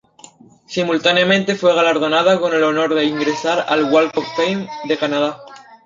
Simultáneamente, fue galardonada con el honor de ingresar al "Walk of fame" de Canadá.